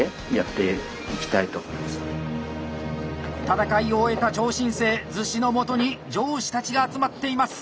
戦いを終えた超新星厨子のもとに上司たちが集まっています。